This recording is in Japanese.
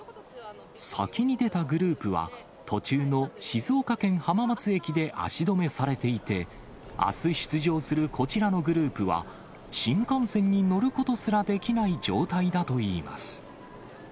先に出たグループは、途中の静岡県浜松駅で足止めされていて、あす出場するこちらのグループは、新幹線に乗ることすらできない状態だといいます。